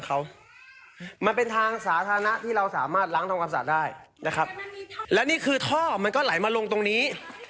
เขามันเป็นทางสาธารณะที่เราสามารถล้างทำความสะอาดได้นะครับและนี่คือท่อมันก็ไหลมาลงตรงนี้